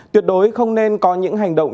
tuyệt đối không nên có những hành động